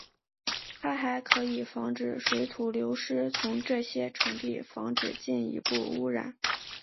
它还可以防止水土流失从这些场地防止进一步污染。